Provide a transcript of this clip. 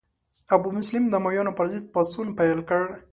ابو مسلم د امویانو پر ضد پاڅون پیل کړ.